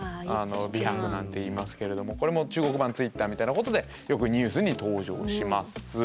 微博なんて言いますけれどもこれも中国版Ｔｗｉｔｔｅｒみたいなことでよくニュースに登場します。